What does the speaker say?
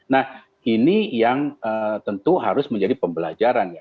nah ini yang tentu harus menjadi pembelajaran ya